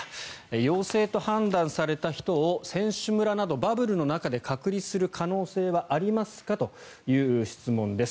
陽性と判断された人を選手村などバブルの中で隔離する可能性はありますか？という質問です。